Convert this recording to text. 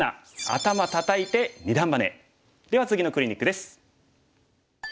では次のクリニックです。